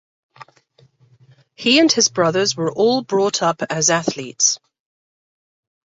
He and his brothers were all brought up as athletes.